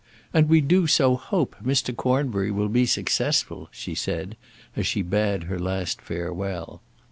"And we do so hope Mr. Cornbury will be successful," she said, as she bade her last farewell.